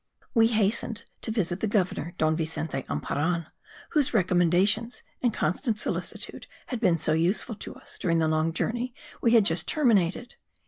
We hastened to visit the governor, Don Vicente Emparan, whose recommendations and constant solicitude had been so useful to us during the long journey we had just terminated.